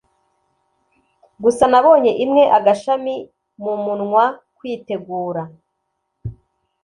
gusa nabonye imwe agashami mumunwa kwitegura